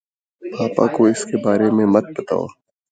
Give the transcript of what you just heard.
پاپا کو اِس بارے میں مت بتاؤ۔